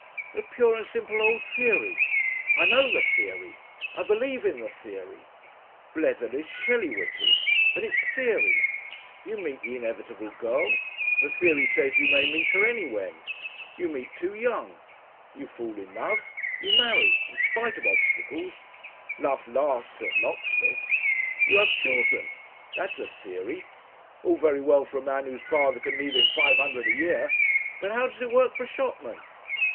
"The pure and simple old theory. I know the theory. I believe in the theory. Bletherley's Shelley witted. But it's theory. You meet the inevitable girl. The theory says you may meet her anywhen. You meet too young. You fall in love. You marry in spite of obstacles. Love laughs at locksmiths. You have children. That's the theory. All very well for a man whose father can leave him five hundred a year. But how does it work for a shopman?...